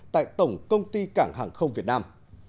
tại tổng công ty cảng hàng không việt nam